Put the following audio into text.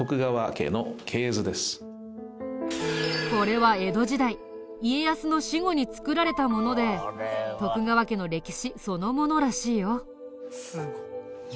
これは江戸時代家康の死後に作られたもので徳川家の歴史そのものらしいよ。